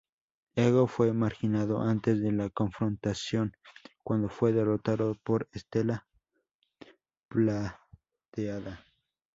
Ego fue marginado antes de la confrontación, cuando fue derrotado por Estela Plateada.